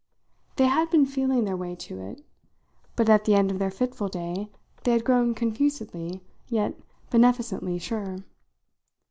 They had been feeling their way to it, but at the end of their fitful day they had grown confusedly, yet beneficently sure.